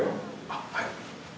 「あっはい」